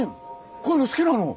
こういうの好きなの？